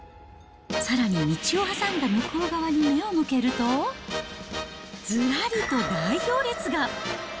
さらに道を挟んだ向こう側に目を向けると、ずらりと大行列が。